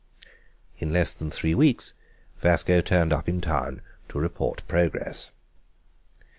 In less than three weeks Vasco turned up in town to report progress.